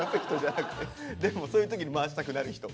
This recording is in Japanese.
でもそういう時に回したくなる人。